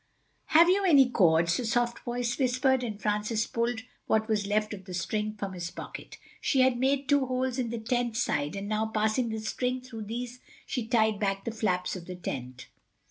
"Have you any cords?" the soft voice whispered, and Francis pulled what was left of the string from his pocket. She had made two holes in the tent side, and now passing the string through these she tied back the flaps of the tent.